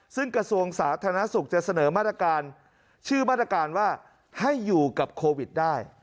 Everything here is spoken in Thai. ซึ่งกระทรวงสาธารณสุขจะเสนอมาตรการชื่อมาตรการว่าให้อยู่กับโควิดได้